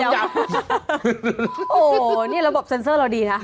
โอ้โหนี่ระบบเซ็นเซอร์เราดีนะ